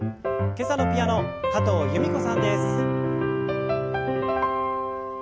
今朝のピアノ加藤由美子さんです。